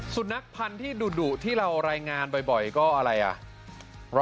สุนัขพันธุ์ที่ดุที่เรารายงานบ่อยก็อะไรอ่ะ